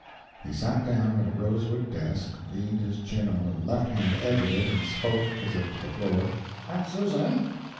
He sat down at a rosewood desk, leaned his chin on the left hand edge of it and spoke, as if to the floor: "Aunt Susan!"